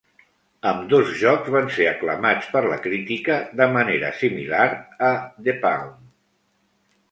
Ambdós jocs van ser aclamats per la crítica de manera similar a "The Pawn".